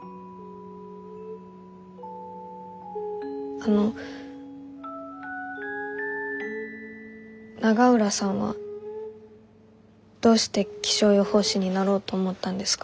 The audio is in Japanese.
あの永浦さんはどうして気象予報士になろうと思ったんですか？